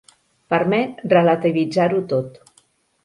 Permet relativitzar-ho tot.